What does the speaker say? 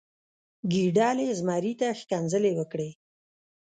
ګیدړې زمري ته ښکنځلې وکړې.